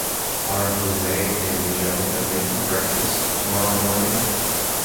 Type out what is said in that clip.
Are Jose and Angelica making breakfast tomorrow morning?